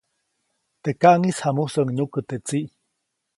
Teʼ kaʼŋis jamusäʼuŋ nyukä teʼ tsiʼ.